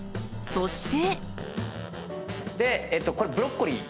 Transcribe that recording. そして。